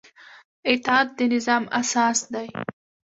اطاعت د نظام اساس دی